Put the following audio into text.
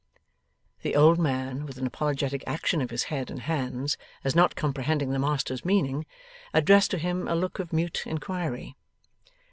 The old man, with an apologetic action of his head and hands, as not comprehending the master's meaning, addressed to him a look of mute inquiry.